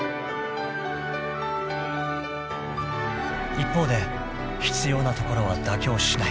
［一方で必要なところは妥協しない］